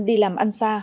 đi làm ăn xa